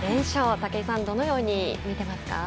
武井さん、どのように見てますか。